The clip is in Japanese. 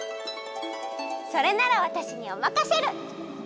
それならわたしにおまかシェル！